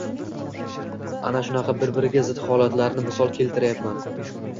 Ana shunaqa bir-biriga zid holatlarni misol keltiryapman.